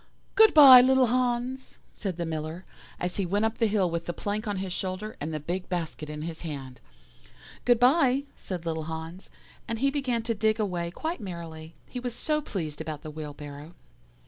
"'Good bye, little Hans,' said the Miller, as he went up the hill with the plank on his shoulder, and the big basket in his hand. "'Good bye,' said little Hans, and he began to dig away quite merrily, he was so pleased about the wheelbarrow.